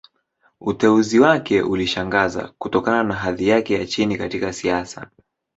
Uteuzi wake ulishangaza, kutokana na hadhi yake ya chini katika siasa.